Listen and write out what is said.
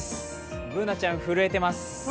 Ｂｏｏｎａちゃん、震えてます。